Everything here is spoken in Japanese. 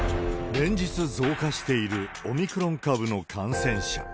連日増加しているオミクロン株の感染者。